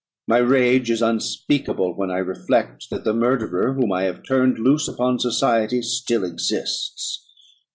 My rage is unspeakable, when I reflect that the murderer, whom I have turned loose upon society, still exists.